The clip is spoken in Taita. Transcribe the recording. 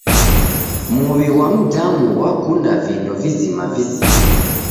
Muw'i ghwa mdamu ghwakunda vindo vizima vizima.